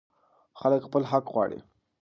خلک خپل حق غواړي.